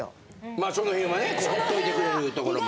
まあその辺はねほっといてくれるところもあり。